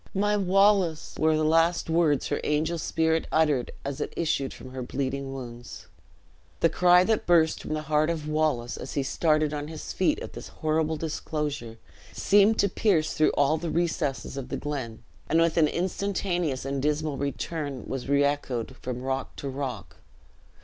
'My Wallace' were the last words her angel spirit uttered as it issued from her bleeding wounds." The cry that burst from the heart of Wallace, as he started on his feet at this horrible disclosure, seemed to pierce through all the recessed of the glen; and with an instantaneous and dismal return was re echoed from rock to rock.